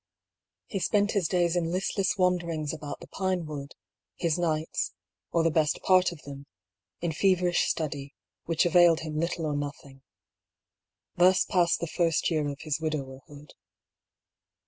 He spent his days in listless wanderings about the Pinewood ; his nights, or the best part of them, in feverish study, which availed him little or nothing. Thus passed the first year of his widowerhood.